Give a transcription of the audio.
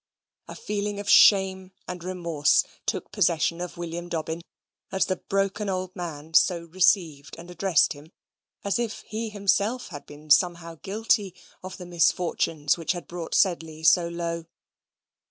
A feeling of shame and remorse took possession of William Dobbin as the broken old man so received and addressed him, as if he himself had been somehow guilty of the misfortunes which had brought Sedley so low.